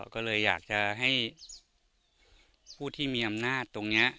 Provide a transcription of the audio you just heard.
ก็เลยอยากจะให้ผู้ที่มีอำนาจตรงนี้